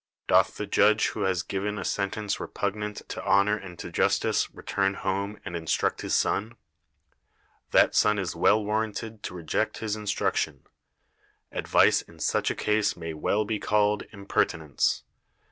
Doth the judge who has given a sentence repugnant to honor and to justice return home and instruct his son? That son is well warranted to reject his instruc tion. Advice in such a case may well be called impertinence.